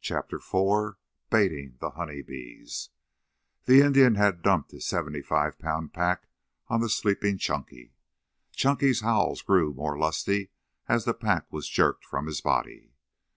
CHAPTER IV BAITING THE HONEY BEES The Indian had dumped his seventy five pound pack on the sleeping Chunky. Chunky's howls grew more lusty as the pack was jerked from his body.